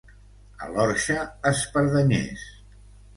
A l'Orxa, espardenyers.